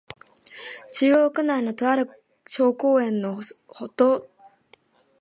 中央区内の、とある小公園の塀外へいそとでした。右がわは公園のコンクリート塀べい、左がわはすぐ川に面している、さびしい場所です。